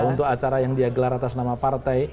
untuk acara yang dia gelar atas nama partai